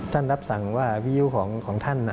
ท่านรับสั่งว่าวิวของท่าน